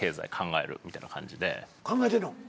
考えてんの？